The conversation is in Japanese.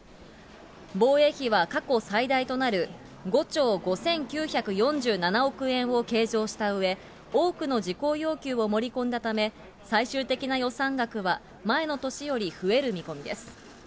防衛費は過去最大となる５兆５９４７億円を計上したうえ、多くの事項要求を盛り込んだため、最終的な予算額は、前の年より増える見込みです。